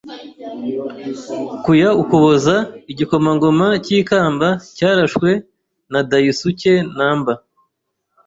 Ku ya Ukuboza , igikomangoma cy'ikamba cyarashwe na Daisuke Namba.